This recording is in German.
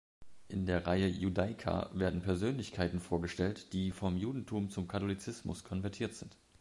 In der Reihe „Judaica“ werden Persönlichkeiten vorgestellt, die vom Judentum zum Katholizismus konvertiert sind.